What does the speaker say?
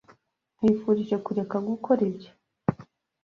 Nkwifurije kureka gukora ibyo.